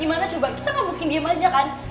ayah kay di dalam